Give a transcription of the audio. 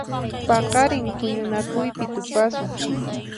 Paqarin huñunakuypi tupasun.